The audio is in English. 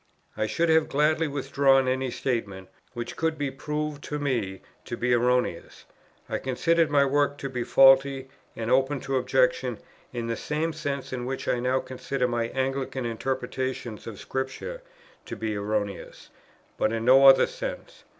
I should have gladly withdrawn any statement, which could be proved to me to be erroneous; I considered my work to be faulty and open to objection in the same sense in which I now consider my Anglican interpretations of Scripture to be erroneous; but in no other sense.